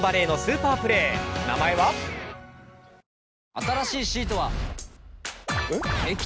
新しいシートは。えっ？